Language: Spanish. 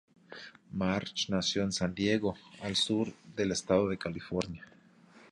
March nació en San Diego, al sur del estado de California.